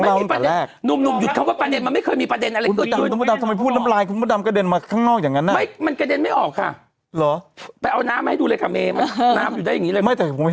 อ้าวตายแล้ว